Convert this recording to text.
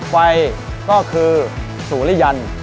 ไฟก็คือสุริยัน